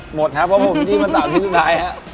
หมดครับเพราะผมจิ้มมาตามที่สุดท้ายครับ